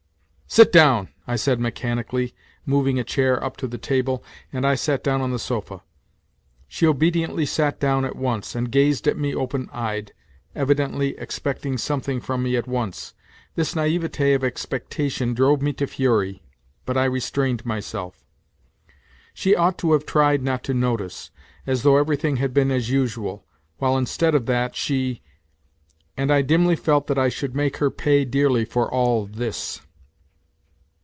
" Sit down," I said mechanically, moving a chair up to the table, and I sat down on the sofa. She obediently sat down at once and gazed at me open eyed, evidently expecting some thing from me at once. This naivet6 of expectation drove me to fury, but I restrained myself. She ought to have tried not to notice, as though everything had been as usual, while instead of that, she ... and I dimly felt that I should make her pay dearly for all this.